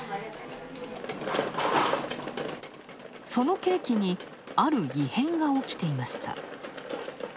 そのケーキに、ある異変が起きていました。